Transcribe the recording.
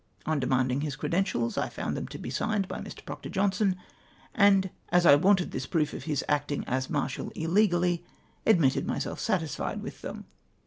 On demanding his credentials, I found them to be signed by Mr. Proctor Jackson, and as I wanted this proof of his acting as marshal illegally, admitted myself satisfied with them.